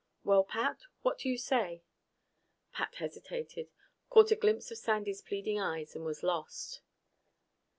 Well, Pat? What do you say?" Pat hesitated, caught a glimpse of Sandy's pleading eyes, and was lost.